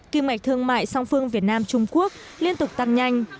kỳ mạch thương mại song phương việt nam trung quốc liên tục tăng nhanh